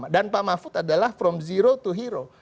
dan pak mahfud adalah dari ke hero